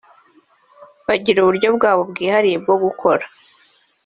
bagira uburyo bwabo bwihariye bwo gukora